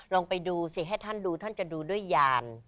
ลองไปดูสิให้ท่านดูท่านจะดูด้วยยาน